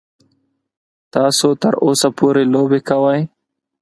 تاسو تر اوسه پورې لوبې کوئ.